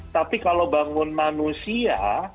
tapi kalau bangun manusia